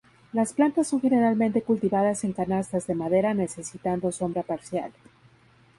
Las plantas son generalmente cultivadas en canastas de madera necesitando sombra parcial.